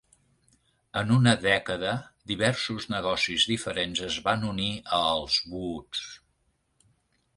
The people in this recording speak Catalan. En una dècada, diversos negocis diferents es van unir a els Woods.